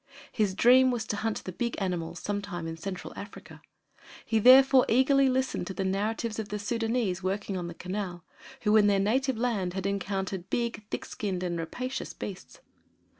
His dream was to hunt the big animals sometime in Central Africa. He therefore eagerly listened to the narratives of the Sudânese working on the Canal, who in their native land had encountered big, thick skinned, and rapacious beasts.